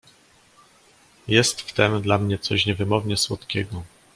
"Jest w tem dla mnie coś niewymownie słodkiego."